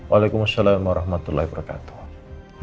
waalaikumsalam warahmatullahi wabarakatuh